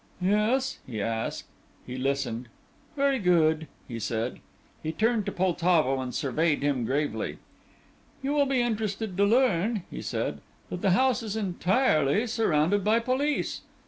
"Yes?" he asked. He listened. "Very good," he said. He turned to Poltavo, and surveyed him gravely. "You will be interested to learn," he said, "that the house is entirely surrounded by police.